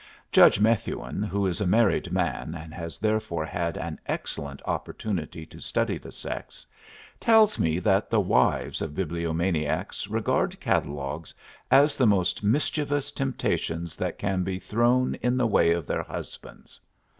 Judge Methuen, who is a married man and has therefore had an excellent opportunity to study the sex, tells me that the wives of bibliomaniacs regard catalogues as the most mischievous temptations that can be thrown in the way of their husbands.